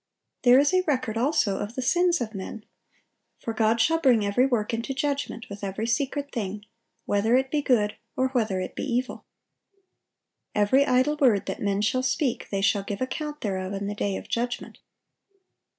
(845) There is a record also of the sins of men. "For God shall bring every work into judgment, with every secret thing, whether it be good, or whether it be evil." "Every idle word that men shall speak, they shall give account thereof in the day of judgment."